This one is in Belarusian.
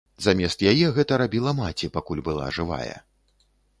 Замест яе гэта рабіла маці, пакуль была жывая.